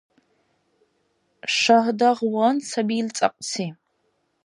Шагьдагъван саби ил цӀакьси!